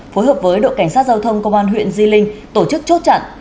phối hợp với đội cảnh sát giao thông công an huyện di linh tổ chức chốt chặn